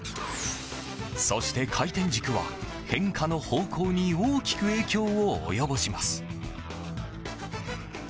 そして、回転軸は変化の方向に大きく影響を及ぼします。